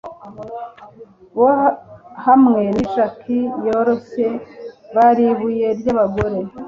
bo hamwe na jack yoroshye bari ibuye ryabagore) -